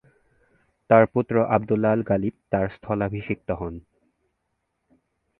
তার পুত্র আবদুল্লাহ আল-গালিব তার স্থলাভিষিক্ত হন।